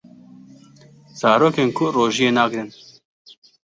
Zarokên ku rojiyê nagrin